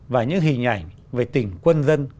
và những hình ảnh về tình quân dân